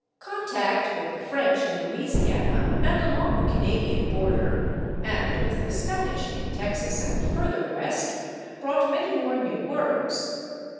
Contact with the French in Louisiana and along the Canadian border, and with the Spanish in Texas and further West, brought many more new words.